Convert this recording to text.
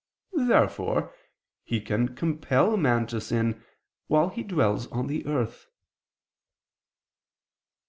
Therefore he can compel man to sin, while he dwells on the earth.